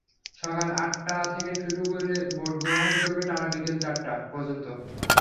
সকাল আটটা থেকে শুরু হয়ে ভোট গ্রহণ চলবে টানা বিকেল চারটা পর্যন্ত।